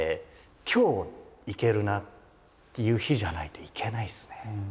今日いけるなっていう日じゃないといけないですね。